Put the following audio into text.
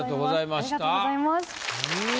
ありがとうございます。